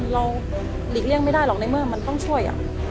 หลีกเลี่ยงไม่ได้หรอกในเมื่อมันต้องช่วย